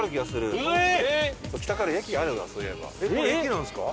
これ駅なんですか？